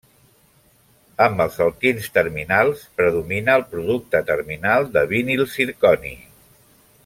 Amb els alquins terminals predomina el producte terminal de vinil zirconi.